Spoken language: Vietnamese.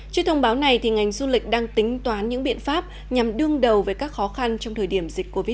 trước thông báo này ngành du lịch đang tính toán những biện pháp nhằm đương đầu với các khó khăn trong thời điểm dịch covid một mươi